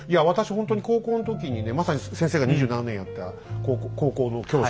ほんとに高校の時にねまさに先生が２７年やった高校の教師